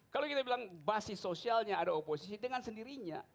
kalau kita bilang basis sosialnya ada oposisi dengan sendirinya